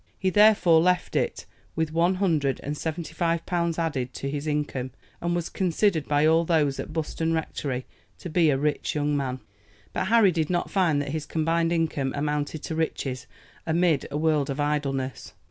He therefore left it with one hundred and seventy five pounds added to his income, and was considered by all those at Buston Rectory to be a rich young man. But Harry did not find that his combined income amounted to riches amid a world of idleness.